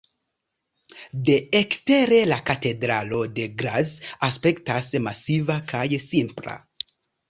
De ekstere la katedralo de Graz aspektas masiva kaj simpla.